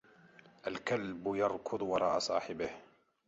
الْكَلْبُ يَرْكَضُ وَراءَ صَاحِبِهُ.